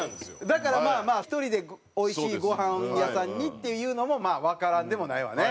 だからまあまあ１人でおいしいごはん屋さんにっていうのもまあわからんでもないわね。